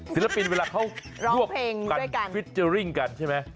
ศิลปินเวลาเขารวบเพลงฟิเจอร์ริ่งกันใช่ไหม